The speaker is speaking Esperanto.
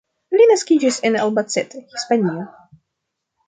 Li naskiĝis en Albacete, Hispanio.